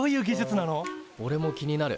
おれも気になる。